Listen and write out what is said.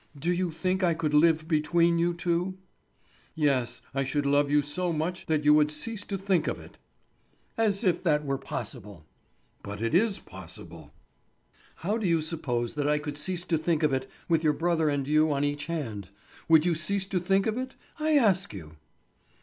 Do you think I could live between you two?" "Yes, I should love you so much that you would cease to think of it." "As if that were possible!" "But it is possible." "How do you suppose that I could cease to think of it, with your brother and you on each hand? Would you cease to think of it, I ask you?"